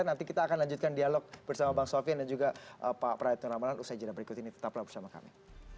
nanti kita akan lanjutkan dialog bersama bang sofian dan juga pak praetno ramalan usai jadwal berikut ini tetaplah bersama kami